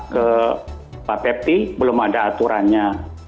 ke ppt belum ada aturannya